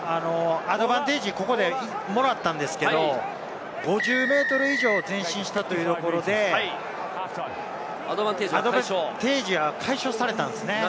トライできアドバンテージ、ここでもらったんですけど、５０ｍ以上前進したというところで、アドバンテージが解消されたんですね。